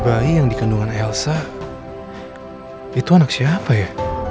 baik yang dikandungan elsa itu anak siapa ya